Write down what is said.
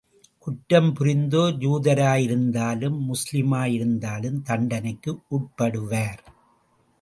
குற்றம் புரிந்தோர் யூதராயிருந்தாலும், முஸ்லிமாயிருந்தாலும் தண்டனைக்கு உட்படுவார்.